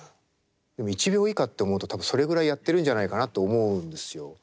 １秒以下って思うと多分それぐらいやってるんじゃないかなと思うんですよ。